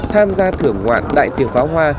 tham gia thưởng ngoạn đại tiệc pháo hoa